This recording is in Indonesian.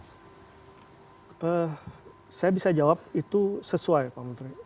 saya bisa jawab itu sesuai pak menteri